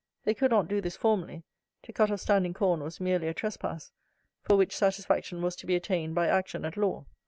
They could not do this formerly; to cut off standing corn was merely a trespass, for which satisfaction was to be attained by action at law.